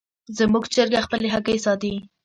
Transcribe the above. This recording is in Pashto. زموږ چرګه خپلې هګۍ ساتي.